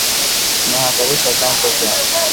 Imehatarisha vyanzo vyao